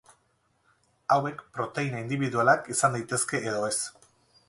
Hauek proteina indibidualak izan daitezke edo ez.